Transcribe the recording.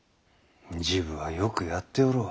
治部はよくやっておろう。